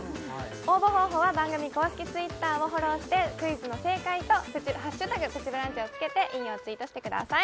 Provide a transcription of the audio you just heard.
応募方法は番組公式Ｔｗｉｔｔｅｒをフォローしてクイズの正解と「＃プチブランチ」をつけて引用ツイートしてください